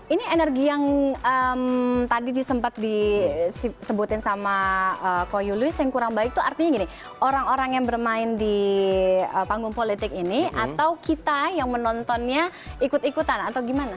ini energi yang tadi disempet disebutin sama ko yus yang kurang baik itu artinya gini orang orang yang bermain di panggung politik ini atau kita yang menontonnya ikut ikutan atau gimana